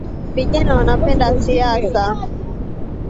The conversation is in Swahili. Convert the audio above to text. Vijana wanapenda siasa